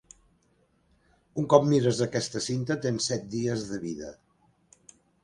Un cop mires aquesta cinta tens set dies de vida.